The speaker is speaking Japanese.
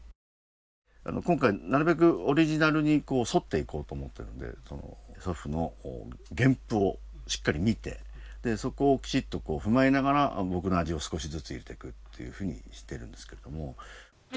今回なるべくオリジナルに沿っていこうと思ってるんで祖父の原譜をしっかり見てそこをきちっと踏まえながら僕の味を少しずつ入れてくっていうふうにしてるんですけども。